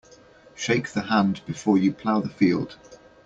Shake the hand before you plough the field.